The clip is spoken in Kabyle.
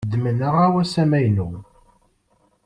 Ddmen aɣawas amaynu.